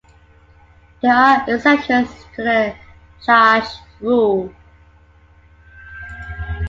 There are exceptions to the Tarrasch rule.